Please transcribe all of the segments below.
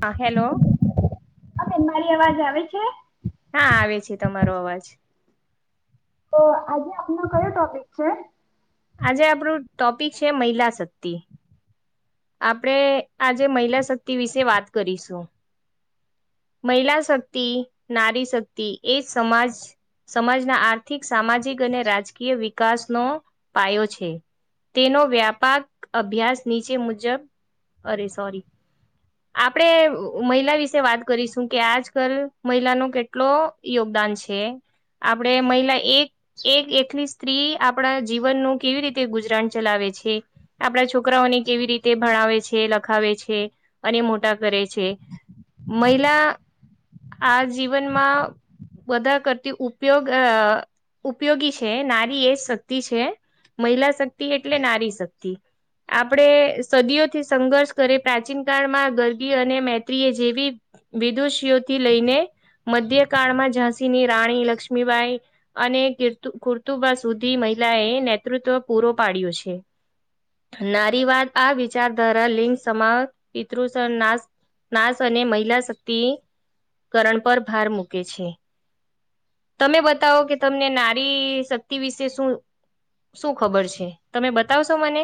હા હેલો હા બેન મારી અવાજ આવે છે. હા આવે છે તમારો અવાજ તો આજે આપનો કયો ટોપિક છે. આજે આપણું ટોપિક છે મહિલા શક્તિ આપણે આજે મહિલા શક્તિ વિશે વાત કરીશું મહિલા શક્તિ નારી શક્તિ એ સમાજ સમાજના આર્થિક સામાજિક અને રાજકીય વિકાસનો પાયો છે તેનો વ્યાપાક અભ્યાસ નીચે મુજ જબ અરે સોરી આપણેે મહિલા વિશે વાત કરીશું કે આજ કલ મહિલાનો કેટલો યોગદાન છે આપણે મહિલા એક એકલી સ્ત્રી આપણા જીવનનું કેવી રીતે ગુજરાન ચલાવે છે આપણા છોકરાઓને કેવી રી તે ભણાવે છે લખાવે છે અને મોટા કરે છે મહિલા આ જીવનમાં બધા કરતી ઉપયોગ ઉપયોગી છે નારી એ જ શક્તિ છે મહિલા શક્તિ એટલે નારી શક્તિ આપણે સદીઓથી સંઘર્ષ કરી પ્રાચીન કાળમાં ગરગી અને મૈત્રીએ જેવી વિદુષીઓથી લઈને મધ્યકાળમાં ઝાંસીની રાણી લક્ષ્મીબાઈ અને કીર્ ખુર્તુબા સુધી મહિલાએ નેતૃત્વ પૂરો પાડ્યો છે નારીવાદ આ વિચારધારા લિંગ સમા પિતૃ નાશ નાશ અને મહિલા શક્તિ કરણ પર ભાર મૂકે છે. તમે બતાવો કે તમને નારી શક્તિ વિશે શું શું ખબર છે તમે બતાવશો મને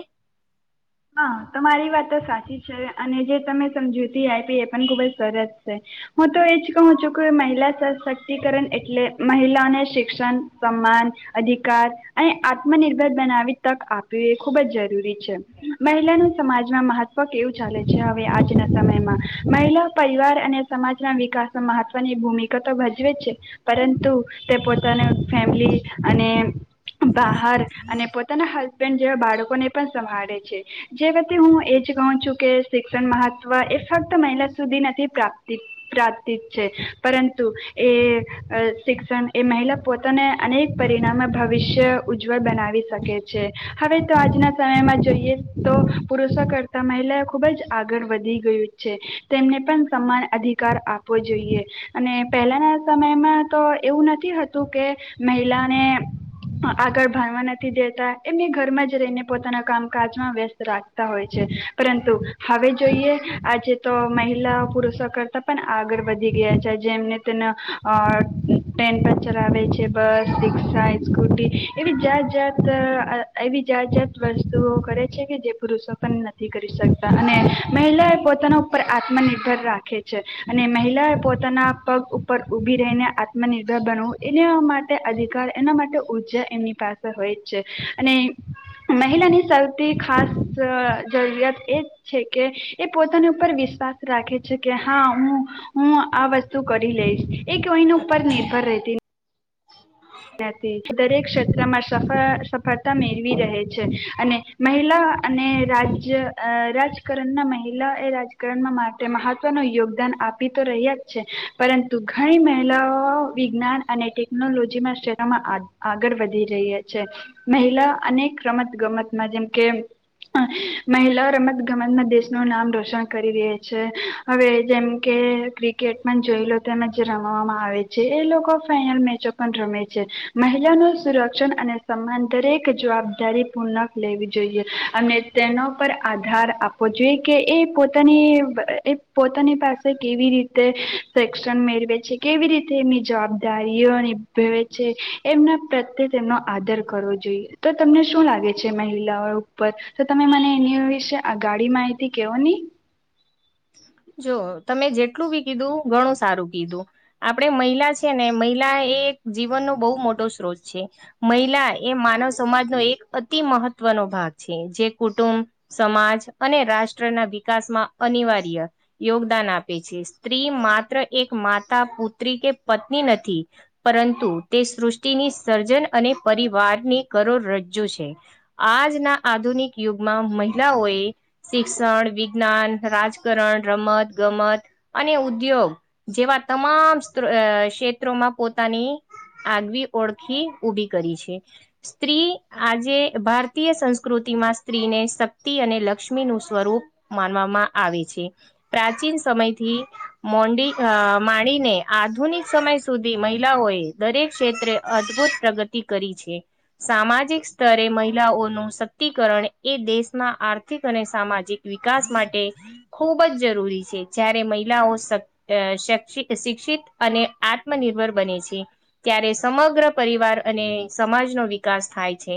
હા તમારી વાત તો સાચી છે અને જે તમે સમજૂતી આયપી એ પણ ખુબ જ સરસ હું તો એછ કણ છો, લોકો મહિલા સશક્તિકરણ એટલે મહિલાને શિક્ષણ સન્માન અધિકાર અને આત્મનિર્ભર બનાવી તક આપવી એ ખૂબ જ જરૂરી છે. મહિલાનું સમાજમાં મહત્વ કેવું ચાલે છે, હવે આજના સમયમાં મહિલા પરિવાર અને સમાજના વિકાસમાં મહત્વની ભૂમિકા તો ભજવે જ છે, પરંતુ તે પોતાને ફેમિલી અને બહાર અને પોતાના હસબેન્ડ જેવા બાળકોને પણ સાંભાળે [inaudible] જે વતે હું એજ કહું છું કે શિક્ષણ મહત્વ એ ફક્ત મહિલા સુધી નથી પ્રાપ્ પ્રાપ્તી જ છે, પરંતુ એ શિક્ષણ એ મહિલા પોતાને અનેક પરિણામે ભવિષ્ય ઉજ્જવલ બનાવી શકે છે, હવે તો આજના સમયમાં જોઈએ, તો પુરુષો કરતા મહિલાઓ ખુબ જ આગળ વધી ગયું છે, તેમને પણ સમાન અધિકાર આપવો જોઈએ, અને પહેલાના સમયમાં તો એવું નથીતું કે મહિલાને આગળ ભણવા નથી દેતા એમને ઘરમાં જ રહીને પોતાના કામકાજ સ્ રાખ હોય છે, પરંતુ હવે જોઈએ આજે તો મહિલા પુરુષો કરતા પણ આગળ વધી ગયા છે, જેમને તેને ટ્રેન પર ચલાવે છે, બસ રિક્ષા સ્કૂટી એવી જાત જાત એવી જાત જાત વસ્તુઓ કરે જે પુરુષો પણ નથી કરી શકતા, અને મહિલા એ પોતાના ઉપર આત્મનિર્ભર રાખે છે, અને મહિલા એ પોતાના પગ ઉપર ઉભી રહીને આત્મનિર્ભર બનવું એના માટે અધિકાર એના માટે ઉર્જા એમની પાસે હોય જ છે, અને મહિલાની સ ખાસ જરૂરિયાત એ જ છે, કે એ પોતાની ઉપર વિશ્વાસ રાખે છે, કે હા હું હું આ વસ્તુ કરી લઈશ એ કોઈની ઉપર નિર્ભર રહેતી દરેક ક્ષેત્રમાં સ સફળતા મેળવી રહે છે, અને મહિલા અને રાજ રાજકારણના મહિલા એ કણ માટે મહત્વનું યોગદાન આપી તો રહ્યા જ છે, પરંતુ ઘણી મહિલાઓ વિજ્ઞાન અને ટેકનોલોજીમાં આગળ વધી રહ્યા છે, મહિલા અનેક રમત ગમતમાં જેમકે મહિલા રમત ગમતમાં દેશનું નામ રોશન કરી રહી છે, હવે જેમકે ક્રિકેટમાં જોઈ લો તેમ જે રમાવામાં આવે છે, એ લોકો ફાઈનલ મેચો પણ રમે છે. મહિલા ન સુરક્ષણ અને સમાન દરેક જવાબદારી પૂર્ક લેવી જોઈએ, અને તેનો પર આધાર આપવો જોઈએ, કે એ પોતાની એ પોતાની પાસે કેવી રીતે શેષણ મેળવે છે, કેવી રીતે એમની જવાબદારીઓ એમના પ્રત્યે તેમનો આદર કરવો જોઈએ, તો તમને શું લાગે છે મહિલાઓ ઉપર તો તમે મને એની વિશે આ ગાડી માહિતી કેવો ની? જો તમે જેટલું બી કીધું ઘણું સારું કીધું આપણે મહિલા છે, ને મહિલા એ જીવનનો બહુ મોટો સ્ત્રોત છે, મહિલા એ માનવ સમાજનો એક અતિ મહત્વનો ભાગ છે, જે કુટુંબ સમાજ અને રાષ્ટ્રના વિકાસમાં અનિવાર્ય યોગદાન આપે છે, સ્ત્રી માત્ર એક માતા પુત્રી કે પત્ની નથી પરંતુ તે સૃષ્ટિની સર્જન અને પરિવારની કરો રજ્જુ છે, આજના આધુનિક યુગમાં મહિલાઓએ શિક્ષણ વિજ્ઞાન રાજકારણ રમત ગમત અને ઉદ્યોગ જેવા તમામ ક્ષેત્રોમાં પોતાની આગવી ઓળખી ઊભી કરી છે, સ્ત્રી આજે ભારતીય સંસ્કૃતિમાં સ્ત્રીને શક્તિ અને લક્ષ્મી નું સ્વરૂપ માનવામાં આવે છે. પ્રાચીન સમયથી મોડી માંડીને આધુનિક સમય સુધી મહિલાઓએ દરેક ક્ષેત્રે અદભુત પ્રગતિ કરી છે, સામાજિક સ્તરે મહિલાઓનું સક્તિકરણ એ દેશના આર્થિક અને સામાજિક વિકાસ માટે ખૂબ ખબ જ જરૂરી છે, જ્યારે મહિલાઓ શિક્ષિત અને આત્મનિર્ભર બને છે, ત્યારે સમગ્ર પરિવાર અને સમાજનો વિકાસ થાય છે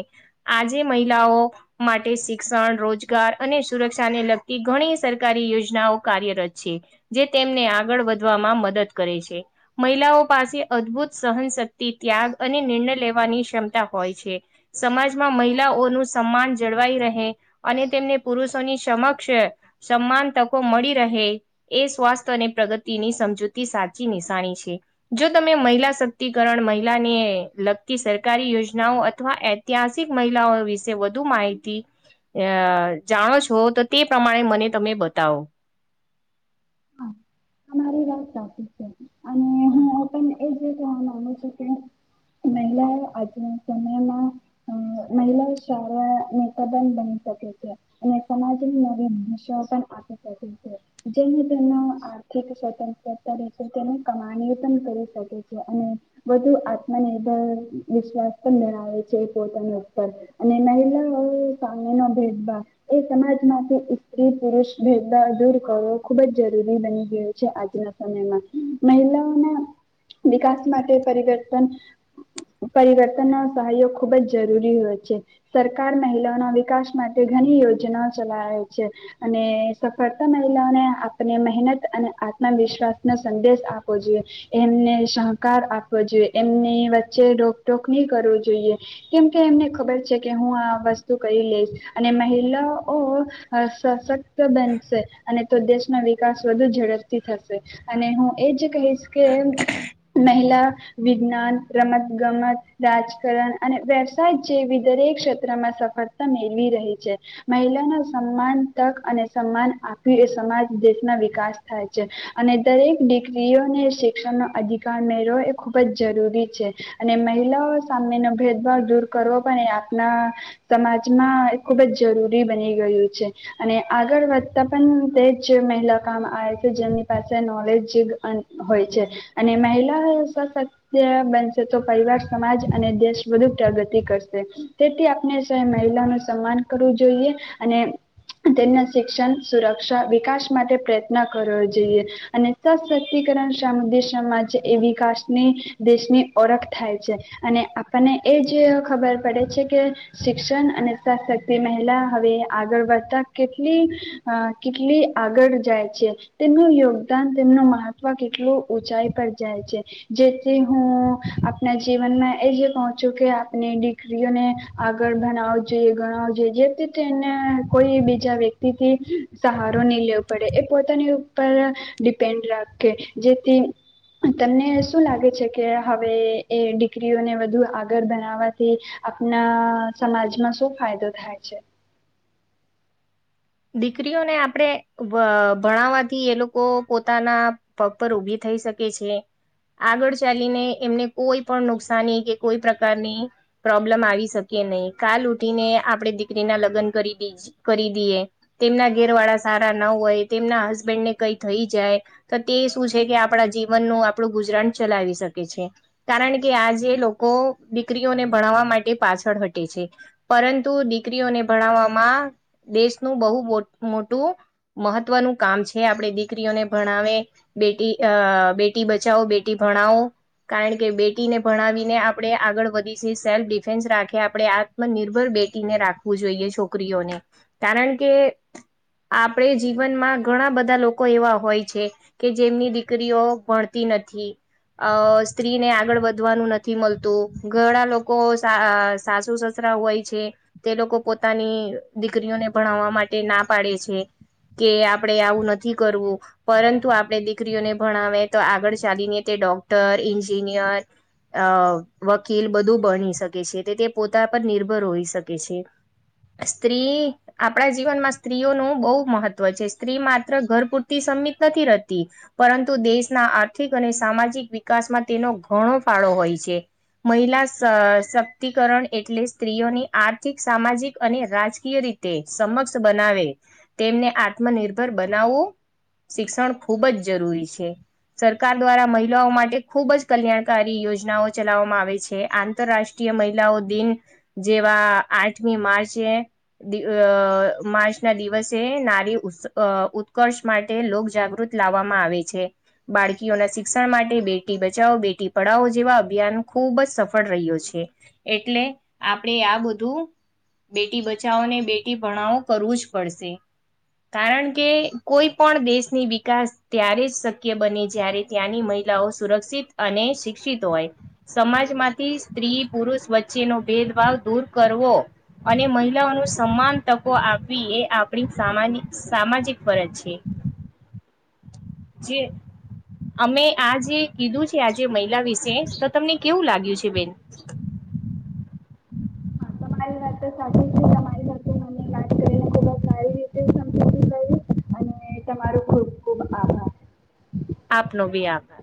આજે મહિલાઓ માટે શિક્ષણ રોજગાર અને સુરક્ષાને લગતી ઘણી સરકારી યોજના કાર્યરત છે જે તેમને આગળ વધવામાં મદદ કરે છે, મહિલાઓ પાસે અદભુત સહનશક્તિ ત્યાગ અને નિર્ણય લેવાની ક્ષમતા હોય છે, સમાજમાં મહિલાઓનું સન્માન જળવાઈ રહે અને તેમને પુરુષોની સમક્ષ સન્માન તક મળી રહે એ સ્વાસ્થ્ય અને પ્રગતિની સમજૂતી સાચી નિશાની છે, જો તમે મહિલા સક્તિકરણ મહિલાને લગતી સરકારી યોજનાઓ અથવા ઐતિહાસિક મહિલાઓ વિશે વધુ માહિતી અ જાણો છો, તો તે પ્રમાણે મને તમે બ તવ [inaudible] હા, તમારી રાતી છે. અને હા, હું પણ એ જે કવા મામાંગ છે, કે મહિલાઓ આજના સમયમાં મહિલા શાળાને પ્રબન બની શકે છે, અને સમાજની નવી ભાષાઓ પણ આપી શકે છે, જેને આર્થિક સ્વતંત્રતા રીતે તેને કમાણીઓ પણ કરી શકે છે, અને વધુ આત્મનિર્ભર વિશ્વાસ પણ ધણાવે છે, એ પોતાના ઉપર અને મહિલાઓ સામે ન ભેદભાવ એ સમાજમાંથી સ્ત્રી પુરુષ ભેદભાવ દૂર કરવો ખૂબ જ જરૂરી બની ગયો છે, આજના સમયમાં મહિલાઓના વિકાસ માટે પરિવર્તન પરિવર્તનનો સહયોગ ખૂબ જ જરૂરી હોય છે, સરકાર મહિલાઓના વિકાસ માટે ઘણી યોજનાઓ ચલાવે છે અને સફળતા મહિલાઓને આપને મહેનત અને આત્મવિશ્વાસ નો સંદેશ આપો જોઈએ એમને સહકાર આપવો જોઈએ એમની વચ્ચે રોકટોક નહી કરવું જોઈએ કેમકે એમને ખબર છે, કે હું આ વસ્તુ કરી લઈશ અને મહિલાઓ સશક્ત બનશે અને તો દેશ વિકાસ વધુ ઝડપથી થશે અને હું એજ કહીશ કે મહિલા વિજ્ઞાન રમત ગમત રાજકારણ અને વ્યવસાય જેવી દરેક ક્ષેત્રમાં સફળતા મેળવી રહી છે, મહિલાના સન્માન તક અને સન્માન આપી એ સમાજ દેશના વિકાસ થાય છે, અને દરેક દીકરીઓને શિક્ષણનો અધિકાર મેળવો એ ખૂબ જ જરૂરી છે, અને મહિલાઓ સામેનો ભેદભાવ દૂર કરવો પણ એ આપના સમાજમાં ખૂબ જ જરૂરી બની ગયું છે અને આગળ વધતા પણ તે આવે છે જેમની પાસે નોલેજ હોય છે, અને મહિલા સશ બનશે તો પરિવાર સમાજ અને દેશ વધુ પ્રગતિ કરશે તેથી આપણે મહિલા નું સન્માન કરવું જોઈએ, અને તેમના શિક્ષણ સુરક્ષા વિકાસ માટે પ્રયત્ન કરવો જોઈએ, અને સશક્તિકરણ સા સમાજ એ વિકાસની દેશની ઓળખ થાય છે, અને આપણને એ જ ખબર પડે છે, કે શિક્ષણ અને શક્તિ મહિલા હવે આગળ વધતા કેટલી કેટલી આગળ જાય છે તેમનું યોગદાન તેમનું મહત્વ કેટલું ઊંચાઈ પર જાય છે, જેથી હું આપના જીવનમાં એ જે કહ છું, કે આપની દીકરીઓને આગળ ભણાવ જોઈએ ગણાવ જોઈએ, જેથી તેને કોઈ બીજા વ્યક્તિથી સહ નહી લેવો પડે, એ પોતાની ઉપર ડિપેન્ડ રાખે. જેથી તને શું લાગે છે, કે હવે એ દીકરીઓને વધુ આગળ બનાવાથી આપના સમાજમાં શું ફાયદો થાય છે. દીકરીઓને આપણે ભણાવવાથી એ લોકો પોતાના પગ પર ઊભી થઈ શકે છે આગળ ચાલીને એમને કોઈ પણ નુકસાની કે કોઈ પ્રકારની પ્રોબ્લમ આવી શકે નહી કાલ ઉઠીને આપણે દીકરીના લગ્ન કરી કરી દઈએ. તેમના ઘેર વાળા સારા ના હોય તેમના હસબેન્ડને કઈ થઈ જાય તો તે શું છે, કે આપણા જીવનનું આપણું ગુજરાન ચલાવી શકે છે, કારણ કે આજે લોકો દીકરીઓને ભણાવવા માટે પાછળ હટે છે પરંતુ દીકરીઓને ભણાવવામાં દેશ નું બહુ મોટું મહત્વનું કામ છે આપણે દીકરીઓને ભણાવે બેટી અહ બેટી બચાવો બેટી ભણાવો કારણ કે બેટીને ભણાવીને આપણે આગળ વધી છે સેલ્ફ ડિફેન્સ રાખે આપણે આત્મનિર્ભર બેટીને રાખવું જોઈએ છોકરીઓને. કારણ કે આપણે જીવનમાં ઘણા બધા લોકો એવા હોય છે કે જેમની દીકરીઓ ભણતી નથી અહ સ્ત્રીને આગળ વધવાનું નથી મળતું ઘણા લોકો અહ સાસુ સસરા હોય છે તે લોકો પોતાની દીકરીઓને ભણાવવા માટે ના પાડે છે કે આપણે આવું નથી કરવું પરંતુ આપણે દીકરીઓને ભણાવે તો આગળ ચાલીને તે ડોક્ટર, એન્જિનિયર અહ વકીલ બધું ભણી શકે છે તે તે પોતા પર નિર્ભર હોઈ શકે છે. સ્ત્રી આપણા જીવનમાં સ્ત્રીઓનું બહુ મહત્વ છે. સ્ત્રી માત્ર ઘર પૂરતી સંમિત નથી રહેતી પરંતુ દેશના આર્થિક અને સામાજિક વિકાસમાં તેનો ઘણો ફાળો હોય છે. મહિલા શ, -શક્તિકરણ એટલે સ્ત્રીઓની આર્થિક સામાજિક અને રાજકીય રીતે તે સમક્ષ બનાવે તેમને આત્મનિર્ભર બનાવવું શિક્ષણ ખૂબ જ જરૂરી છે. સરકાર દ્વારા મહિલાઓ માટે ખૂબ જ કલ્યાણકારી યોજનાઓ ચલાવવામાં આવે છે. આંતરરાષ્ટ્રીય મહિલાઓ દિન જેવા આઠમી માર્ચે દીવ અહ માર્ચ ના દિવસે નારી અહ ઉત્સ-ઉત્કર્ષ માટે લોક જાગૃત લાવવામાં આવે છે. બાળકીઓના શિક્ષણ માટે બેટી બચાવો બેટી પઢાવો જેવા અભિયાન ખુબ જ સફળ રહ્યો છે. એટલે આપણે આ બધું બેટી બ ચાવ ને બેટી ભણો કરવું જ પડશે. કારણ કે કોઈ પણ દેશની વિકાસ ત્યારે જ શક્ય બને જ્યારે ત્યાંની મહિલાઓ સુરક્ષિત અને શિક્ષિત હોય. સમાજમાંથી સ્ત્રી પુરુષ વચ્ચેનો ભેદભાવ દૂર કરવો અને મહિ લાઓનું સમાન તકો આપવી એ આપણી સામાની સામાજિક ફરજ છે. જે અમે આ જે કીધું છે આજે મહિલા વિશે તો તમને કેવું લાગ્યું છે બેન? હા તમારી વાત તો સાચી છે તમારી સાથે મને વાત કરીને ખૂબ સારી રીતે સમજી બી ગઈ અને તમારો ખુબ ખુબ આભાર. આપ બી આતા